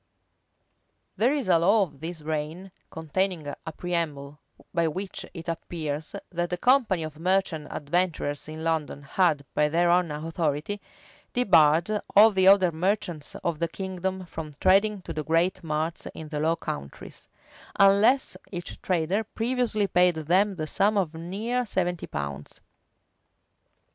[] There is a law of this reign,[] containing a preamble, by which it appears, that the company of merchant adventurers in London had, by their own authority, debarred all the other merchants of the kingdom from trading to the great marts in the Low Countries, unless each trader previously paid them the sum of near seventy pounds.